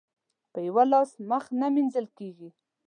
په يوه لاس مخ نه مينځل کېږي.